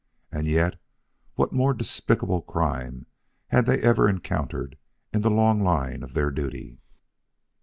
And yet, what more despicable crime had they ever encountered in the long line of their duty.